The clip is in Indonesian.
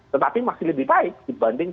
tetapi masih lebih baik dibanding